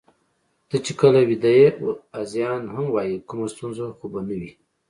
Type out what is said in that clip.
ته چې کله ویده یې، هذیان هم وایې، کومه ستونزه خو به نه وي؟